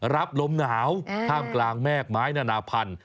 รับลมหนาวท่ามกลางแม่กไม้นานาพันธุ